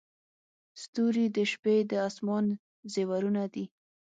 • ستوري د شپې د اسمان زیورونه دي.